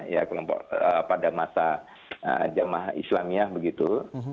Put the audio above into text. ya kelompok pada masa jamaah islamiyah begitu